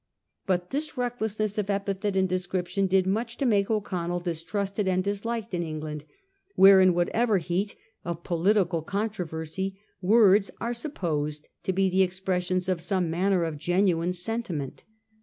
But this recklessness of epithet and description did much to make O'Connell distrusted and disliked in Eng land, where in whatever heat of political controversy words are supposed to be the expressions of some manner of genuine sentiment.